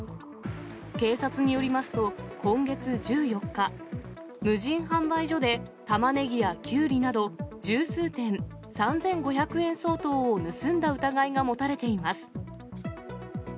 警察によりますと、今月１４日、無人販売所でタマネギやキュウリなど、十数点３５００円相当を盗んだ疑いが持たれています。